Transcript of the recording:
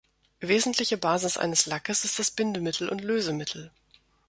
Wesentliche Basis eines Lackes ist das Bindemittel und Lösemittel.